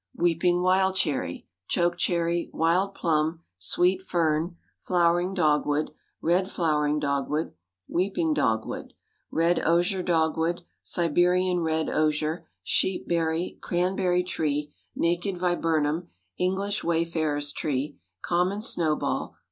Weeping wild cherry. Choke cherry. Wild plum. Sweet fern. Flowering dogwood. Red flowering dogwood. Weeping dogwood. Red osier dogwood. Siberian red osier. Sheep berry. Cranberry tree. Naked viburnum. English wayfarer's tree. Common snowball.